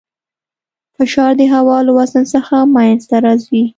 فشار د هوا له وزن څخه منځته راځي.